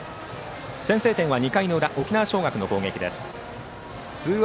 先制点は２回裏沖縄尚学の攻撃です。